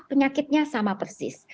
penyakitnya sama persis